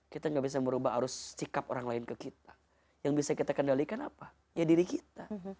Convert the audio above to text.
kita gak bisa merubah arus sikap orang lain ke kita yang bisa kita kendalikan apa ya diri kita